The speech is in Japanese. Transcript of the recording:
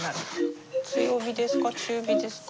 強火ですか？